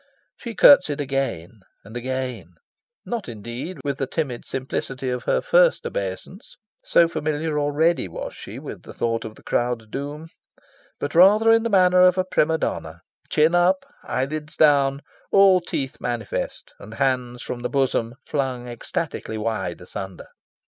She curtseyed again and again, not indeed with the timid simplicity of her first obeisance (so familiar already was she with the thought of the crowd's doom), but rather in the manner of a prima donna chin up, eyelids down, all teeth manifest, and hands from the bosom flung ecstatically wide asunder.